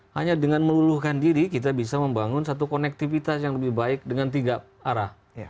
hanya dengan meluluhkan diri kita bisa membangun satu konektivitas yang lebih baik dengan tiga arah